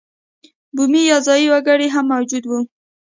بومي یا ځايي وګړي هم موجود وو.